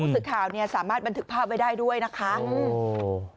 สื่อข่าวเนี่ยสามารถบันทึกภาพไว้ได้ด้วยนะคะอืม